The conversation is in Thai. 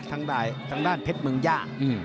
ทางด้านเพชรเมืองย่า